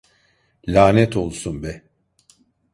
Lanet olsun be!